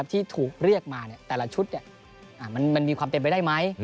ที่ถูกเรียกมาแต่ละชุดมันมีความเป็นไปได้ไหม